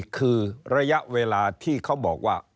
คือระยะเวลาที่เขาบอกว่า